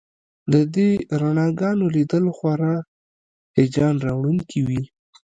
د دې رڼاګانو لیدل خورا هیجان راوړونکي وي